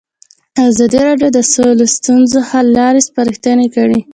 ازادي راډیو د سوله د ستونزو حل لارې سپارښتنې کړي.